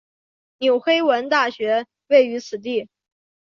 纽黑文大学位于此地。